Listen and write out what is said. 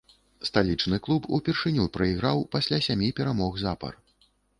Сталічны клуб упершыню прайграў пасля сямі перамог запар.